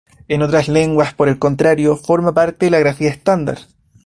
En otras lenguas, por el contrario, forma parte de la grafía estándar.